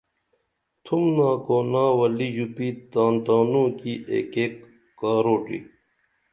تُھمنا کُونا ولی ژوپی تان تانُو کی ایک ایک کاروٹی